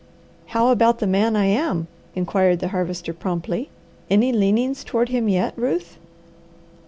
"How about the man I am?" inquired the Harvester promptly. "Any leanings toward him yet, Ruth?"